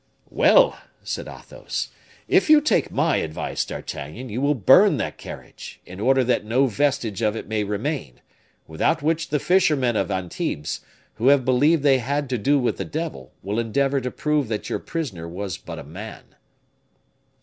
"Well!" said Athos, "if you take my advice, D'Artagnan, you will burn that carriage, in order that no vestige of it may remain, without which the fishermen of Antibes, who have believed they had to do with the devil, will endeavor to prove that your prisoner was but a man."